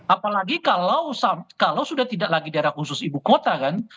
apalagi kalau sudah tidak lagi daerah khusus ibu kota kan